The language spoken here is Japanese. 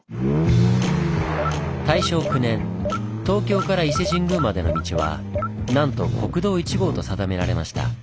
大正９年東京から伊勢神宮までの道はなんと「国道１号」と定められました。